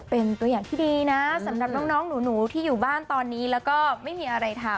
เป็นตัวอย่างที่ดีนะสำหรับน้องหนูที่อยู่บ้านตอนนี้แล้วก็ไม่มีอะไรทำ